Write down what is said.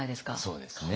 そうですね。